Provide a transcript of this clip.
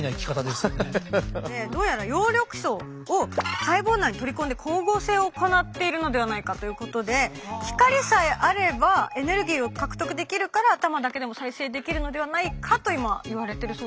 どうやら葉緑素を細胞内に取り込んで光合成を行っているのではないかということで光さえあればエネルギーを獲得できるから頭だけでも再生できるのではないかと今いわれてるそうです。